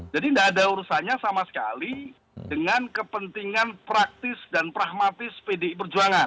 jadi tidak ada urusannya sama sekali dengan kepentingan praktis dan pragmatis pdi perjuangan